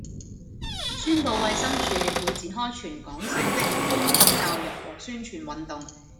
宣布衞生署會展開全港性的公眾教育和宣傳運動